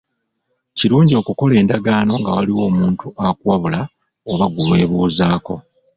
Kirungi okukola endagaano nga waliwo omuntu akuwabula oba gwe weebuuzaako.